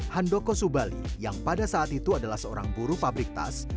handoko subali yang pada saat itu adalah seorang buru pabrik tas